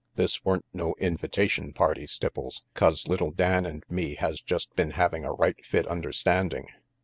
This weren't no invitation party, Stipples, 'cause little Dan and me has just been having a right fit understanding.